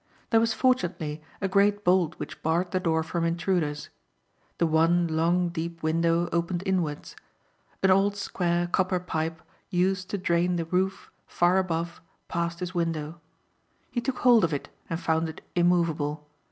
There was fortunately a great bolt which barred the door from intruders. The one long, deep window opened inwards. An old square copper pipe used to drain the roof far above passed his window. He took hold of it and found it immovable.